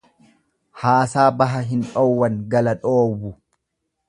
Haasaa baha hin dhoowwan gala dhoowwu.